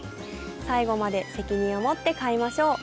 最後まで責任を持って飼いましょう。